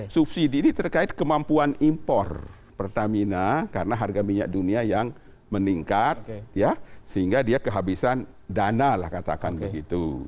subsidi ini terkait kemampuan impor pertamina karena harga minyak dunia yang meningkat ya sehingga dia kehabisan dana lah katakan begitu